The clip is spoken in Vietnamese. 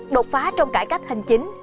đột phá trong cải cách hành chính